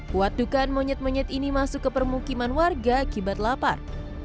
kuat dukaan monyet monyet ini masuk ke permukiman warga akibat lapar